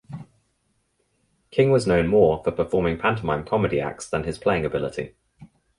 King was known more for performing pantomime comedy acts than his playing ability.